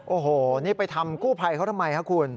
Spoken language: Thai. โอ้โหนี่ไปทำกู้ภัยเขาทำไมครับคุณ